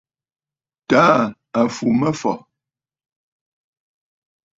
Tàa à fù mə afɔ̀.